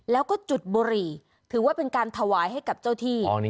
แล้วก็จุดบุหรี่ถือว่าเป็นการถวายให้กับเจ้าที่